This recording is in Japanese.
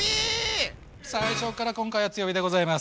最初から今回は強火でございます。